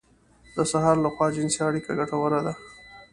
د سهار لخوا جنسي اړيکه ګټوره ده.